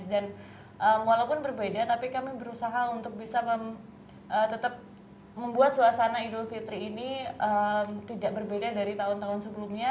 dan walaupun berbeda tapi kami berusaha untuk bisa tetap membuat suasana idul fitri ini tidak berbeda dari tahun tahun sebelumnya